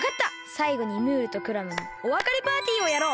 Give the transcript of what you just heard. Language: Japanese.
さいごにムールとクラムのおわかれパーティーをやろう！